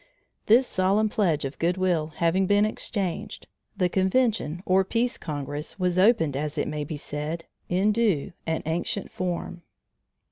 This solemn pledge of good will having been exchanged, the convention or peace congress was opened as may be said, in due and ancient form.